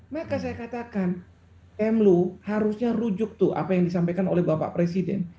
maka saya katakan mlu harusnya rujuk tuh apa yang disampaikan oleh bapak presiden